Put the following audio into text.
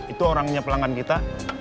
itu orangnya pelanggan kita